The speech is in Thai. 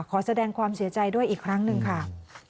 ขอแสดงความเสียใจด้วยอีกครั้งหนึ่งค่ะ